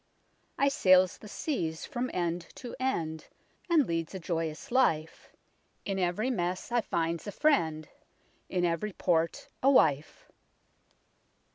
I sails the seas from end to end And leads a joyous life ; In ev'ry mess I finds a friend, In ev'ry port a wife."